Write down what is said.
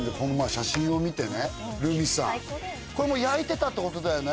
写真を見てねＲｕｍｉさんこれもう焼いてたってことだよね